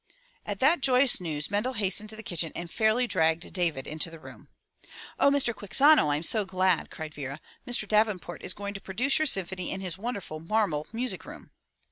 At that joyous news Mendel hastened to the kitchen and fairly dragged David into the room. "Oh, Mr. Quixano, I'm so glad," cried Vera. "Mr. Daven port is going to produce your symphony in his wonderful marble music room."